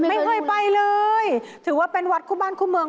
ไม่เคยไปเลยถือว่าเป็นวัดคู่บ้านคู่เมือง